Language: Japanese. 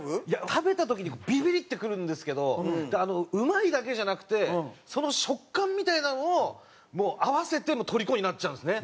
食べた時にビリビリってくるんですけどうまいだけじゃなくてその食感みたいなのも併せてとりこになっちゃうんですね。